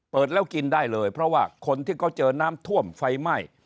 เปิดแล้วกินได้เลยเพราะว่าคนที่เขาเจอน้ำท่วมไฟไหม้